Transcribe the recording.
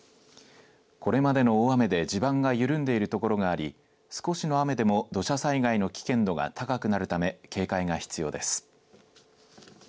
これまでの大雨で地盤が緩んでいるところがあり少しの雨でも土砂災害の危険度が高くなるため警戒が必要です。